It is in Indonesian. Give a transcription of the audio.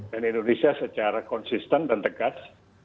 dan indonesia secara konsisten dan tegas